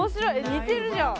似てるじゃん！